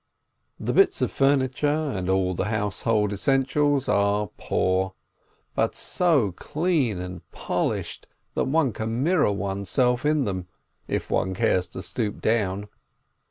The bits of furni ture and all the household essentials are poor, but so clean and polished that one can mirror oneself in them, if one cares to stoop down.